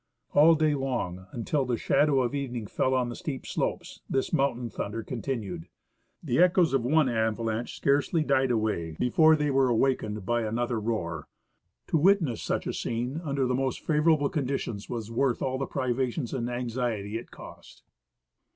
All day long, until the shadow of evening fell on the steep slopes, this mountain thunder continued. The echoes of one avalanche scarcely died away before they were 156 I. C. Russell — Expedition to Mount St. Elias. awakened by another roar. To witness such a scene under the most favorable conditions was worth all the privations and anxiety it cost.